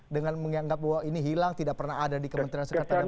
dengan menganggap bahwa ini hilang tidak pernah ada di kementerian sekolah tengah tengah